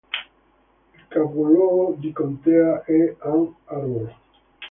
Il capoluogo di contea è Ann Arbor.